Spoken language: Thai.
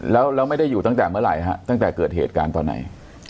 แล้วไม่ได้อยู่ตั้งแต่เมื่อไหร่ฮะตั้งแต่เกิดเหตุการณ์ตอนไหน